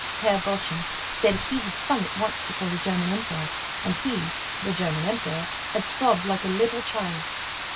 Herr Boschen said he had sung it once before the German Emperor, and he (the German Emperor) had sobbed like a little child.